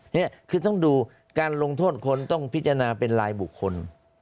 นี่คือต้องดูการลงโทษคนต้องพิจารณาเป็นรายบุคคล